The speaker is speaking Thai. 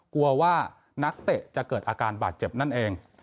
กลัวว่านักเตะจะเกิดอาการบาดเจ็บนั่นเอง